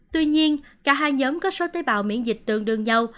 tuy nhiên cả hai nhóm có số tế bào miễn dịch tương đương nhau